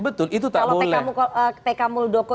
betul itu tak boleh kalau pk muldoko